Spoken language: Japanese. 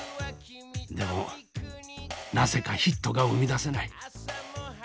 でもなぜかヒットが生み出せない。